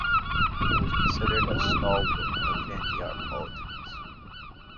He was considered as stalwart of Vanniyar politics.